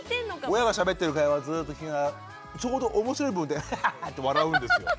親がしゃべってる会話をずっと聞きながらちょうど面白い部分でアハハハッ！って笑うんですよ。